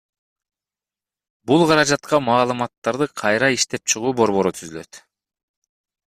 Бул каражатка Маалыматтарды кайра иштеп чыгуу борбору түзүлөт.